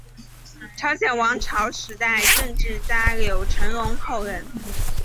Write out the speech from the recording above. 朝鲜王朝时代政治家柳成龙后人。